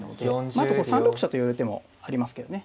あと３六飛車と寄る手もありますけどね。